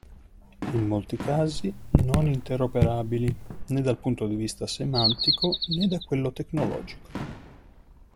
In molti casi non interoperabili né dal punto di vista semantico né da quello tecnologico.